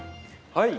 はい。